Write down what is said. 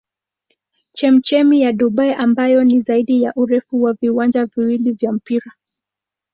Chemchemi ya Dubai ambayo ni zaidi ya urefu wa viwanja viwili vya mpira.